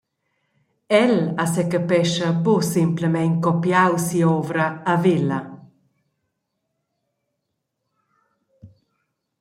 El ha secapescha buca semplamein copiau si’ovra a Vella.